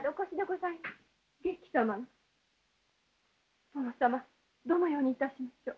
殿様どのようにいたしましょう。